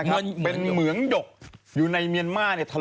ครั้งปีมีมังคุฏใต้ตอนนี้มังคุฏ